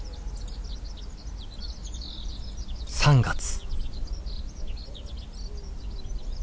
３月。